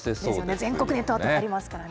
全国ネットありますからね。